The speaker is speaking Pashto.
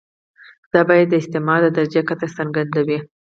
دا بیه د استثمار د درجې کچه څرګندوي